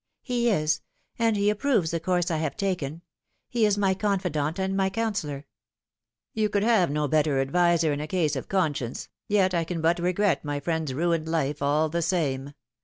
44 He is and he approves the course I have taken. He ia my confidant and my counsellor." 44 You could have no better adviser in a case of conscience yet I can but regret my friend's ruined life, all the same.